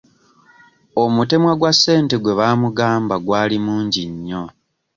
Omutemwa gwa ssente gwe baamugamba gwali mungi nnyo.